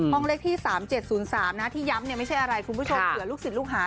ห้องเลขที่๓๗๐๓นะที่ย้ำไม่ใช่อะไรคุณผู้ชมเผื่อลูกศิษย์ลูกหา